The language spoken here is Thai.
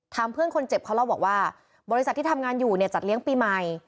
เพื่อนคนเจ็บเขาเล่าบอกว่าบริษัทที่ทำงานอยู่เนี่ยจัดเลี้ยงปีใหม่